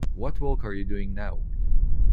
What work are you doing now?